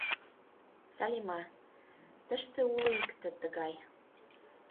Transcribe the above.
Салима... тыште уло икте тыгай...